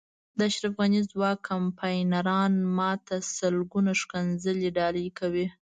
د اشرف غني ځوان کمپاینران ما ته سلګونه ښکنځلې ډالۍ کوي.